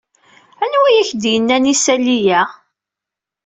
Anwa ay ak-d-yennan isali-a?